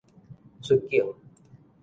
出境